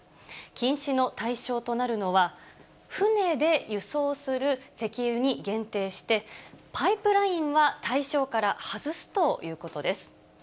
禁止の対象となるのは、船で輸送する石油に限定して、パイプラインは対象から外すということです。